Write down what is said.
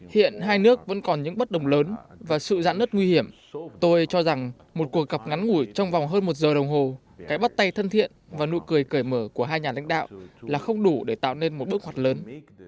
hiện hai nước vẫn còn những bất đồng lớn và sự giãn nứt nguy hiểm tôi cho rằng một cuộc gặp ngắn ngủi trong vòng hơn một giờ đồng hồ cái bắt tay thân thiện và nụ cười cởi mở của hai nhà lãnh đạo là không đủ để tạo nên một bước hoạt lớn